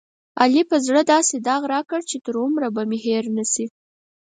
علي په زړه داسې داغ راکړ، چې تر عمره به مې هېر نشي.